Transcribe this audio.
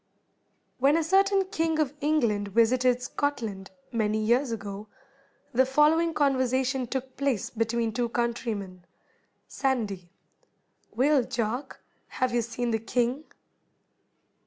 When a certain King of England visited Scotland, many years ago, the following conversation took place between two countrymen: SANDY. "Weel, Jock, hae ye seen the king?"